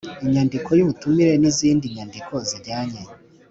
Inyandiko y ubutumire n izindi nyandiko zijyanye